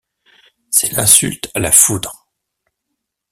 C’est l’insulte à la foudre.